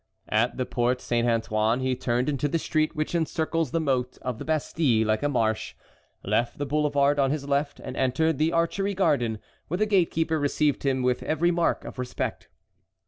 At the Porte Saint Antoine he turned into the street which encircles the moat of the Bastille like a marsh, left the boulevard on his left and entered the Archery Garden, where the gatekeeper received him with every mark of respect.